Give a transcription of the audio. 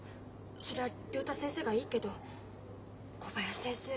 そりゃ竜太先生がいいけど小林先生